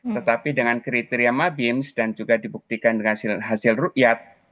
tetapi dengan kriteria mabims dan juga dibuktikan dengan hasil ⁇ ruyat